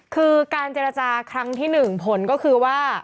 คือการเจรจาครั้งที่๑ผลก็คือว่า